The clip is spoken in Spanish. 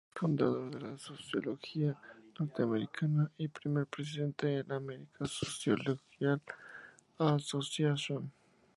Fundador de la sociología norteamericana y primer presidente de la American Sociological Association.